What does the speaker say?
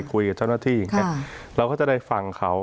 คุยกับเจ้าหน้าที่อย่างนี้เราก็จะได้ฟังเขา